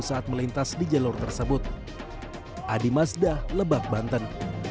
saat melintas di jalur tersebut adi mazda lebak banten